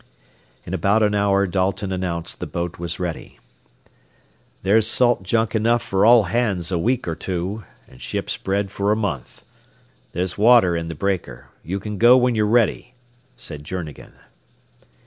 In about an hour Dalton announced the boat was ready. "There's salt junk enough for all hands a week or two, and ship's bread for a month. There's water in the breaker. You can go when you're ready," said Journegan.